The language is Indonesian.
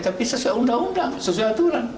tapi sesuai undang undang sesuai aturan